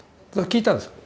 聞いたんですよ。